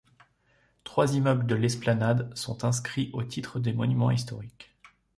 Trois immeubles de l'esplanade sont inscrits au titre des monuments historiques.